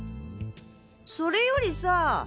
それよりさ